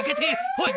おい！